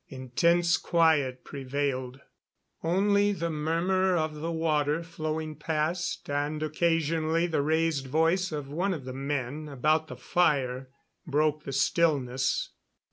Intense quiet prevailed; only the murmur of the water flowing past, and occasionally the raised voice of one of the men about the fire, broke the stillness.